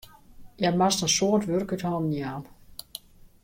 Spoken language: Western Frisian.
Hja moast in soad wurk út hannen jaan.